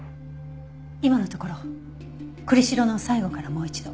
今のところ栗城の最後からもう一度。